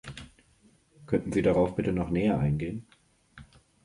Könnten Sie darauf bitte noch näher eingehen?